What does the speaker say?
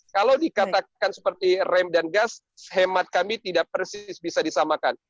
kalau dikatakan seperti rem dan gas hemat kami tidak persis bisa disamakan